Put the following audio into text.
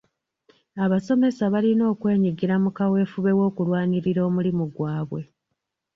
Abasomesa balina okwenyigira mu kawefube n'okulwanirira omulimu gwabwe.